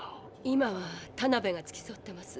今はタナベが付きそってます。